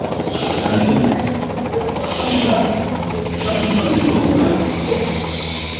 Anasema yeye ndie msimamizi halali wanchi hadi uchaguzi ufanyike